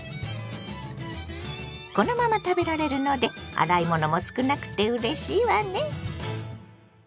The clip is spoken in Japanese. このまま食べられるので洗い物も少なくてうれしいわね。